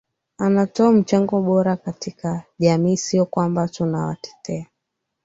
anatoa mchango bora katika jamii sio kwamba tunawatetea